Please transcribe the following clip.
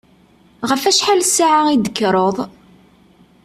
Ɣef wacḥal ssaɛa i d-tekkreḍ?